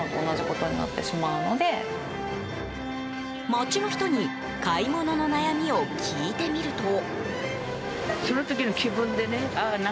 街の人に買い物の悩みを聞いてみると。